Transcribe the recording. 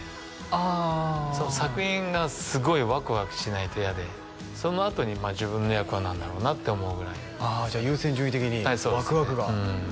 ああその作品がすごいワクワクしないと嫌でそのあとに自分の役は何だろうなって思うぐらいああじゃあ優先順位的にワクワクがはいそうですね